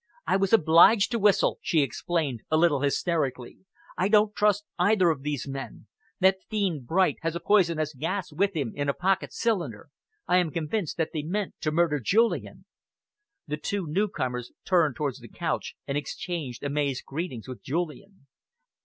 "I was obliged to whistle," she explained, a little hysterically. "I do not trust either of these men. That fiend Bright has a poisonous gas with him in a pocket cylinder. I am convinced that they meant to murder Julian." The two newcomers turned towards the couch and exchanged amazed greetings with Julian.